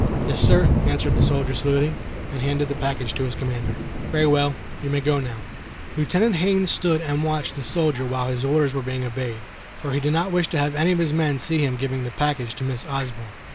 "Yes, sir," answered the soldier, saluting, and handing the package to his commander. "Very well, you may go now." Lieutenant Haines stood and watched the soldiers while his order was being obeyed, for he did not wish to have any of his men see him give the package to Miss Osborne.